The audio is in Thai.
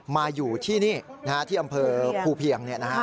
มาอยู่ที่นี่ที่อำเภอภูเพียง